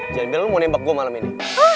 jangan biar lo mau nembak gue malam ini